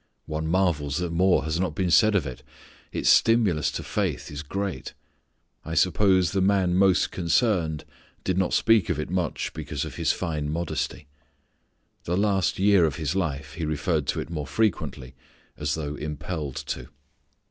One marvels that more has not been said of it. Its stimulus to faith is great. I suppose the man most concerned did not speak of it much because of his fine modesty. The last year of his life he referred to it more frequently as though impelled to.